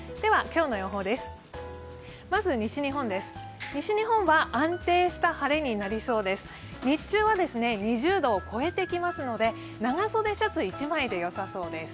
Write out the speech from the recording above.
日中は２０度を超えてきますので、長袖シャツ１枚でよさそうです。